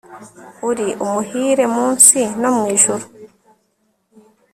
uri umuhire munsi no mu ijuru